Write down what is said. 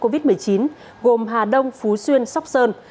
covid một mươi chín gồm hà đông phú xuyên sóc sơn